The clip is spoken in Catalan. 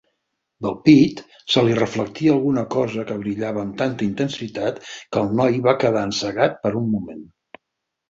Del pit, se li reflectia alguna cosa que brillava amb tanta intensitat que el noi va quedar encegat per un moment.